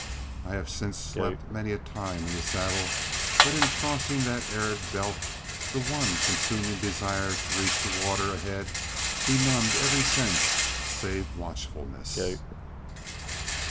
I have since slept many a time in the saddle, but in crossing that arid belt the one consuming desire to reach the water ahead benumbed every sense save watchfulness.